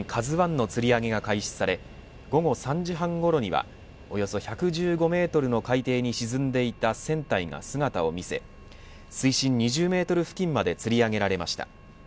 １のつり上げが開始され午後３時半ごろにはおよそ１１５メートルの海底に沈んでいた船体が姿を見せ水深２０メートル付近までつり上げられました。